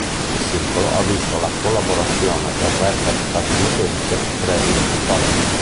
Il singolo ha visto la collaborazione del rapper statunitense Travis Scott.